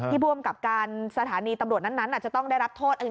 ที่ร่วมกับการสถานีตำรวจนั้นนั้นอาจจะต้องได้รับโทษ